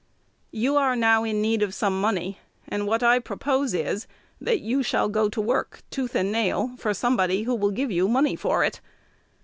You are now in need of some money; and what I propose is, that you shall go to work, "tooth and nail," for somebody who will give you money for it.